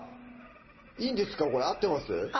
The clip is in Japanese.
いいんですかこれ合ってます？